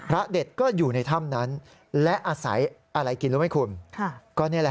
เด็ดก็อยู่ในถ้ำนั้นและอาศัยอะไรกินรู้ไหมคุณ